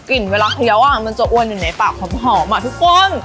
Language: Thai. กลิ่นเวลาเคี้ยวอะมันจะอ้วนอยู่ในปากความหอมอะทุกคน